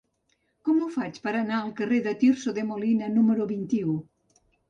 Com ho faig per anar al carrer de Tirso de Molina número vint-i-u?